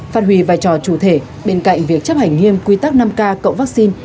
phát huy vai trò chủ thể bên cạnh việc chấp hành nghiêm quy tắc năm k cộng vaccine